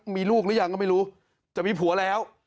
มีลูกหรือยังก็ไม่รู้จะมีผัวแล้ว